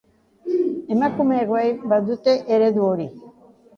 Emakumeek bai badute eredu hori.